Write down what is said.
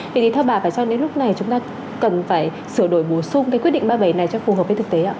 vậy thì theo bà phải cho đến lúc này chúng ta cần phải sửa đổi bổ sung cái quyết định ba mươi bảy này cho phù hợp với thực tế ạ